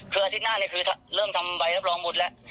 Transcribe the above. คืออาทิตย์หน้านี้คือเริ่มทำใบรับรองบุตรแล้ว